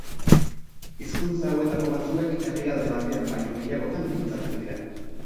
Hizkuntza hauetako batzuek herrialde batean baino gehiagotan mintzatzen dira.